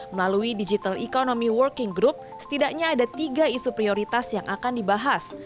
melalui digital economy working group setidaknya ada tiga isu prioritas yang akan dibahas